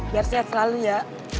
biar sehat selalu ya